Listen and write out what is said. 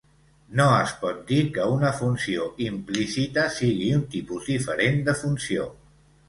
No es pot dir que una funció implícita sigui un tipus diferent de funció.